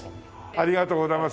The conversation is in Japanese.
ありがとうございます。